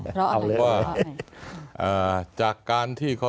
เพราะว่า